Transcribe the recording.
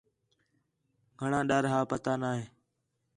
گھݨاں ݙَر ہا پتہ نَے